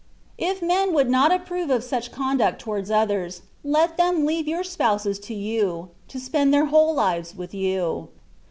If men would not approve of such conduct towards others, let them leave your spouses to you, to spend their whole Uves with you.